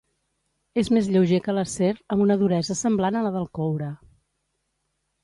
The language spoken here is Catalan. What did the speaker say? És més lleuger que l'acer amb una duresa semblant a la del coure.